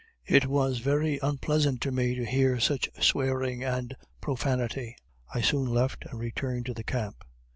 It was very unpleasant to me to hear such swearing and profanity I soon left, and returned to the camp.